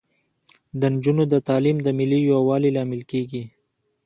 د نجونو تعلیم د ملي یووالي لامل کیږي.